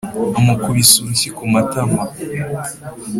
amukubise urushyi ku matama